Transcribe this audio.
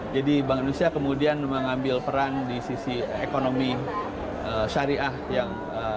jadi bank indonesia kemudian mengambil peran di sisi ekonomi syariah yang